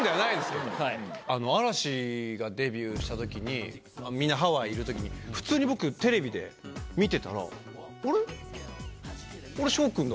嵐がデビューしたときにみんなハワイいるときに普通に僕テレビで見てたら「あれ？あれ翔くんだ！」。